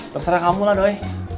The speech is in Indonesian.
terserah kamu lah doi